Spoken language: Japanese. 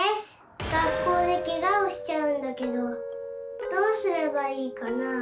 学校でケガをしちゃうんだけどどうすればいいかなあ？